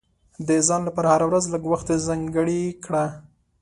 د ځان لپاره هره ورځ لږ وخت ځانګړی کړه.